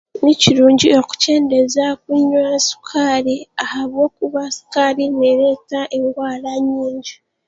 Nikirungi okukyendeza kunywa sukaari ahabwokuba sukaari neereta endwara nyaingi.